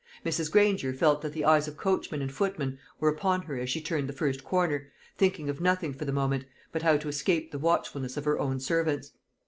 Mrs. Granger felt that the eyes of coachman and footman were upon her as she turned the first corner, thinking of nothing for the moment, but how to escape the watchfulness of her own servants.